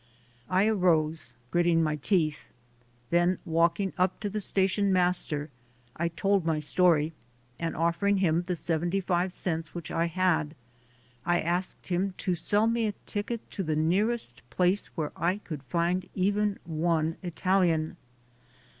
I arose, gritting my teeth. Then walking up to the station master, I told my story, and offering him the seventy five cents which I had, I asked him to sell me a ticket to the nearest place where I could find even one Italian.